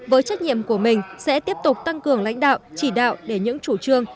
với trách nhiệm của mình sẽ tiếp tục tăng cường lãnh đạo chỉ đạo để những chủ trương